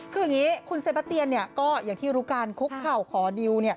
อย่างนี้คุณเซปาตเตียนเนี่ยก็อย่างที่รู้กันคุกข่าวขอดิวเนี่ย